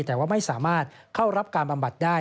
แต่ว่าไม่สามารถเข้ารับการบำบัดได้